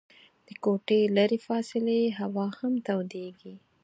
د کوټې لیري فاصلې هوا هم تودیږي.